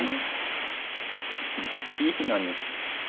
もういいのに。